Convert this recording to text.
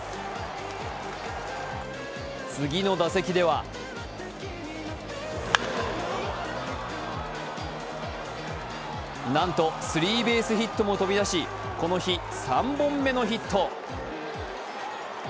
次の打席ではなんとスリーベースヒットも飛び出し、この日、３本目のヒット。